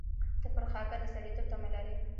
ته پر خاکه د سړېتوب تمه لرې.